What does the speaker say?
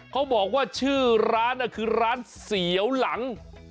เขาบอกว่าชื่อร้านคือร้านเสียวหลัง